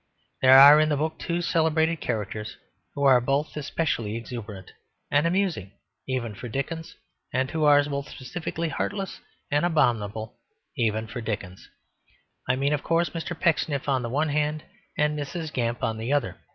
There are in the book two celebrated characters who are both especially exuberant and amusing even for Dickens, and who are both especially heartless and abominable even for Dickens I mean of course Mr. Pecksniff on the one hand and Mrs. Gamp on the other.